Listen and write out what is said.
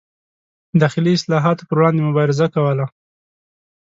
داخلي اصلاحاتو پر وړاندې مبارزه کوله.